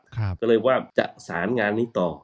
ก็เลยว่าจะสารงานนี้ต่อ